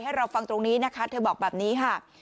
ให้เราฟังตรงนี้นะคะเธอบอกแบบนี้ค่ะ